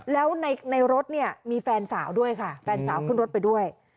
แล้วในรถเนี่ยมีแฟนสาวด้วยค่ะแฟนสาวขึ้นรถไปด้วย